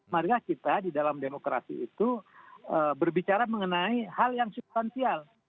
karena kita di dalam demokrasi itu berbicara mengenai hal yang substansial